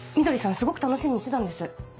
すごく楽しみにしてたんです。